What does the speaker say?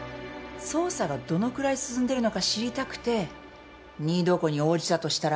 捜査がどのくらい進んでるのか知りたくて任意同行に応じたとしたら？